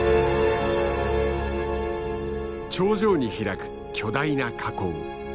頂上に開く巨大な火口。